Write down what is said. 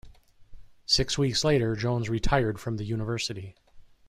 Six weeks later, Jones retired from the university.